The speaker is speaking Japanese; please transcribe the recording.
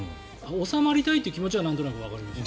収まりたいって気持ちはなんとなくわかります。